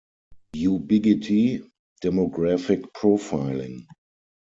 Ubiquity: Demographic profiling.